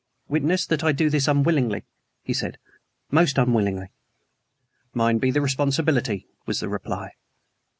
"Witness that I do this unwillingly," he said "most unwillingly." "Mine be the responsibility," was the reply.